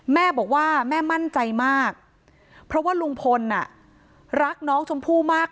แม่บอกว่าแม่มั่นใจมากเพราะว่าลุงพลรักน้องชมพู่มาก